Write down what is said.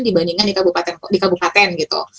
dibandingkan di kabupaten gitu